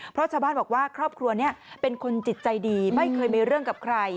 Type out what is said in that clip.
เพราะชาวบ้านบอกว่าครอบครัวนี้เป็นคนจิตใจดีไม่เคยมีเรื่องกับใคร